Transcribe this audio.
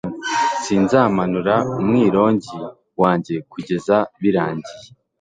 sinzamanura umwironge wanjye kugeza birangiye